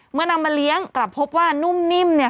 เมื่อนำมาเลี้ยงกลับพบว่านุ่มนิ่ม